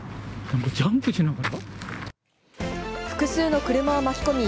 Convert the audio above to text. ジャンプしながら。